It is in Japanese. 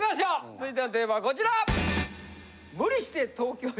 続いてのテーマはこちら！